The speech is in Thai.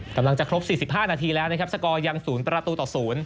กำลังจะครบ๔๕นาทีแล้วนะครับสกอร์ยัง๐ประตูต่อ๐